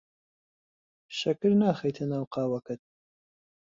شەکر ناخەیتە ناو قاوەکەت.